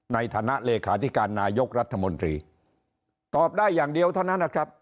ในฐานะเลขาธิการนายกรัฐมนตรีตอบได้อย่างเดียวเท่านั้นนะครับ